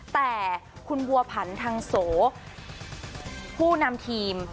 แต่คุณบัวผันทางโสผู้นำทีม